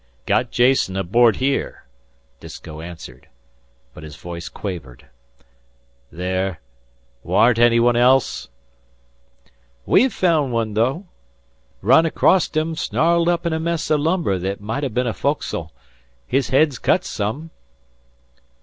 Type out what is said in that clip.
"Got Jason aboard here," Disko answered, but his voice quavered. "There warn't any one else?" "We've fund one, though. 'Run acrost him snarled up in a mess o' lumber thet might ha' bin a foc'sle. His head's cut some."